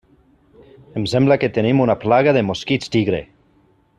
Em sembla que tenim una plaga de mosquits tigre.